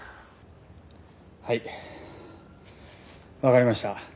はいわかりました。